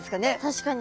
確かに。